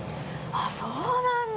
あっそうなんだ！